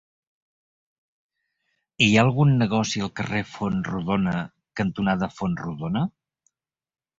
Hi ha algun negoci al carrer Fontrodona cantonada Fontrodona?